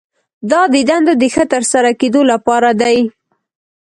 دا د دندو د ښه ترسره کیدو لپاره دي.